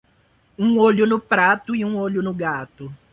Um olho no prato e um olho no gato.